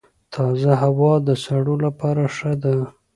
تازه هوا د سږو لپاره ښه ده.